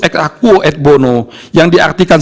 ek aku et bono yang diartikalisir